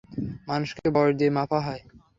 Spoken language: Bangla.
মানুষকে বয়স দিয়ে মাপা হয়।